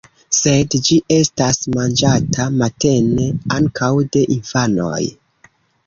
Sed ĝi estas manĝata matene ankaŭ de infanoj.